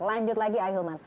lanjut lagi ahilman